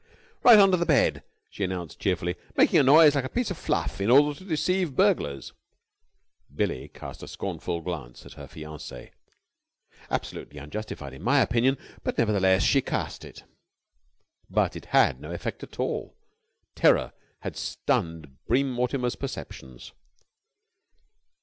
"Right under the bed," she announced cheerfully, "making a noise like a piece of fluff in order to deceive burglars." Billie cast a scornful look at her fiancee. Absolutely unjustified, in my opinion, but nevertheless she cast it. But it had no effect at all. Terror had stunned Bream Mortimer's perceptions.